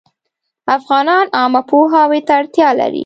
افغانان عامه پوهاوي ته اړتیا لري